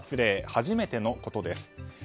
初めてのことです。